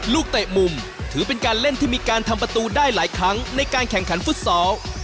เตะมุมถือเป็นการเล่นที่มีการทำประตูได้หลายครั้งในการแข่งขันฟุตซอล